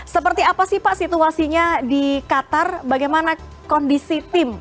seperti apa sih pak situasinya di qatar bagaimana kondisi tim